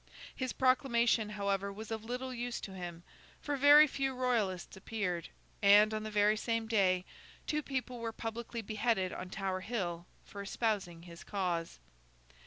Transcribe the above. His proclamation, however, was of little use to him, for very few Royalists appeared; and, on the very same day, two people were publicly beheaded on Tower Hill for espousing his cause.